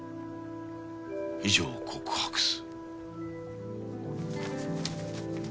以上告白す」。